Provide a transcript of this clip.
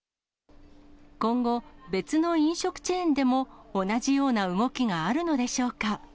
今後、別の飲食チェーンでも同じような動きがあるのでしょうか。